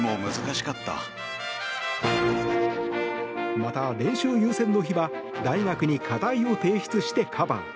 また、練習優先の日は大学に課題を提出してカバー。